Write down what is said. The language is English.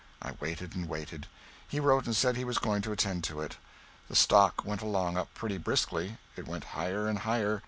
I waited and waited. He wrote and said he was going to attend to it. The stock went along up pretty briskly. It went higher and higher.